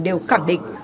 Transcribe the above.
đều khẳng định